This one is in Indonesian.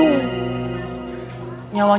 emisi kang ajeng